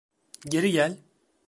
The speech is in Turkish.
Geri gel.